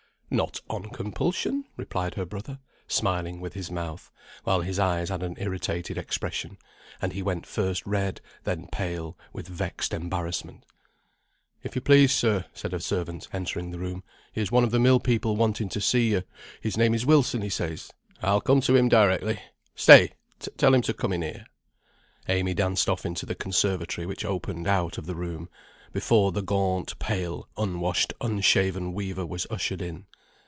"Not on compulsion," replied her brother, smiling with his mouth, while his eyes had an irritated expression, and he went first red, then pale, with vexed embarrassment. "If you please, sir," said a servant, entering the room, "here's one of the mill people wanting to see you; his name is Wilson, he says." "I'll come to him directly; stay, tell him to come in here." Amy danced off into the conservatory which opened out of the room, before the gaunt, pale, unwashed, unshaven weaver was ushered in.